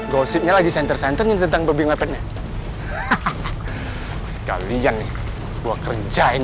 gosipnya lagi senter senternya tentang babi ngepetnya sekalian nih gua kerjain